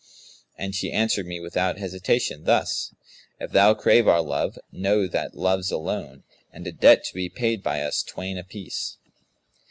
And she answered me without hesitation, thus, 'If thou crave our love, know that love's a loan; * And a debt to be paid by us twain a piece.'